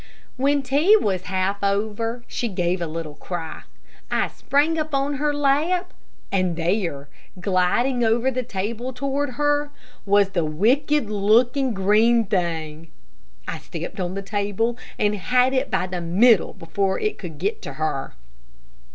When tea was half over, she gave a little cry. I sprang up on her lap, and there, gliding over the table toward her, was the wicked looking green thing. I stepped on the table, and had it by the middle before it could get to her.